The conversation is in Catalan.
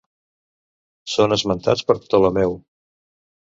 Són esmentats per Ptolemeu.